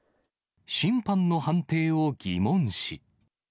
審判の判定を疑問視。